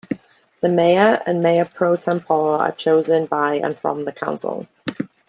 The mayor and mayor pro tempore are chosen by and from the council.